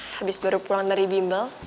habis baru pulang dari bimbel